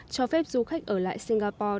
cho phép du khách ở lại singapore